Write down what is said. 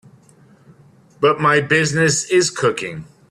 But my business is cooking.